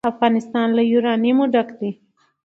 افغانستان له یورانیم ډک دی.